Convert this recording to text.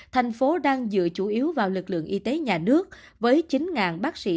thành phố đang dựa chủ yếu vào lực lượng y tế nhà nước với chín bác sĩ